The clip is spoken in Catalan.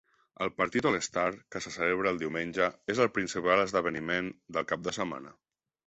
El partit All-Star, que se celebra el diumenge, és el principal esdeveniment del cap de setmana.